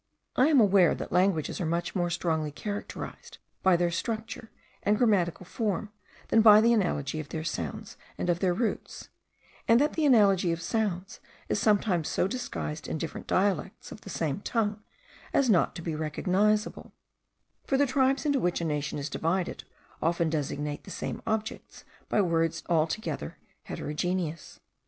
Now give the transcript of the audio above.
I am aware that languages are much more strongly characterised by their structure and grammatical forms than by the analogy of their sounds and of their roots; and that the analogy of sounds is sometimes so disguised in different dialects of the same tongue, as not to be recognizable; for the tribes into which a nation is divided, often designate the same objects by words altogether heterogeneous.